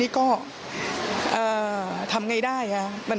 ปี๖๕วันเช่นเดียวกัน